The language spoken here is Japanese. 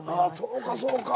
そうかそうか。